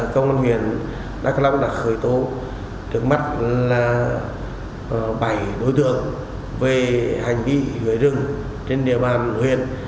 công an huyện đắk long đã khởi tố trước mắt là bảy đối tượng về hành vi gửi rừng trên địa bàn huyện